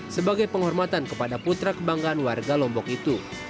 sebagai penghormatan kepada putra kebanggaan warga lombok itu